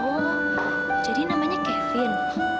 oh jadi namanya kevin